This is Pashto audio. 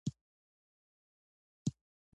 د مصر او چین په هېوادونو کې د ځمکو ویشنه شوې ده